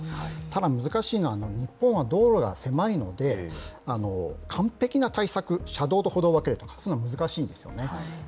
ただ、難しいのは、日本は道路が狭いので、完璧な対策、車道と歩道を分けるとか、そういうのは難しいんですよね。